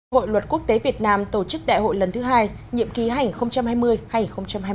hội luật quốc tế việt nam tổ chức đại hội lần thứ hai nhiệm ký hành hai mươi hành hai mươi năm